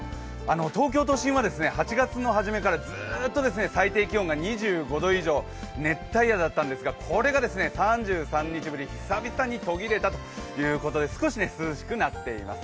東京都心は８月のはじめからずっと最低気温が２５度以上、熱帯夜だったんですがこれが３３日ぶり、久々に途切れたということで少し涼しくなっています。